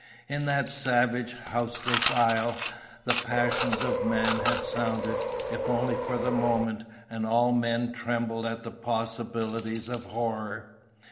In that savage, houseless isle, the passions of man had sounded, if only for the moment, and all men trembled at the possibilities of horror.